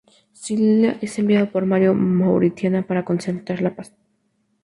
Sila es enviado por Mario a Mauritania para concertar la paz.